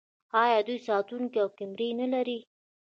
آیا دوی ساتونکي او کمرې نلري؟